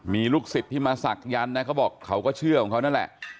มีลูกศิษย์ที่มาศักยันต์นะเขาบอกเขาก็เชื่อของเขานั่นแหละ